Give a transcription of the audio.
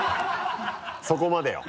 そこまでを。